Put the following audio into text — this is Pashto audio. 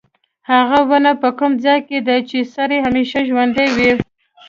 هغه ونه په کوم ځای کې ده چې سړی همیشه ژوندی وي.